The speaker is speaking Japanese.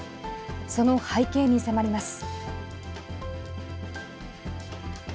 その背景に迫ります。